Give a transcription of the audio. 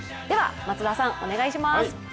では松田さん、お願いします！